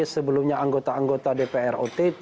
sebelumnya anggota anggota dpr